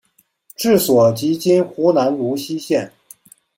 治所即今湖南泸溪县。